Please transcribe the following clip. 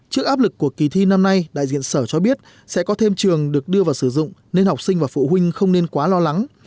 trước áp lực của kỳ thi năm nay đại diện sở cho biết sẽ có thêm trường được đưa vào sử dụng nên học sinh và phụ huynh không nên quá lo lắng